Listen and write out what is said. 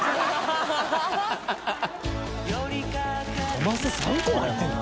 カマス３個も入ってるの？